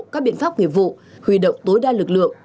các biện pháp nghiệp vụ huy động tối đa lực lượng